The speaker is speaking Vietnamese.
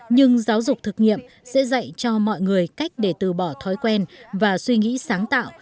nhưng giáo dục thực nghiệm sẽ dạy cho mọi người cách để từ bỏ thói quen và suy nghĩ sáng tạo